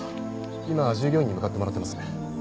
今従業員に向かってもらってます。